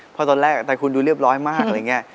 เพราะตอนแรกไตคุณดูเรียบร้อยมากอะไรอย่างนี้